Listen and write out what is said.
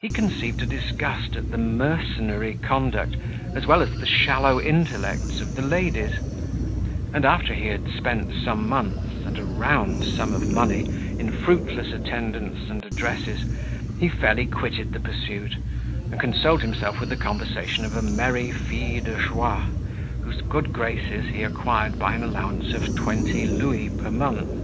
He conceived a disgust at the mercenary conduct, as well as the shallow intellects, of the ladies; and after he had spent some months, and a round sum of money, in fruitless attendance and addresses, he fairly quitted the pursuit, and consoled himself with the conversation of a merry fille de joie, whose good graces he acquired by an allowance of twenty louis per month.